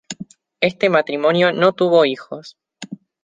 Este matrimonio no tuvo hijos.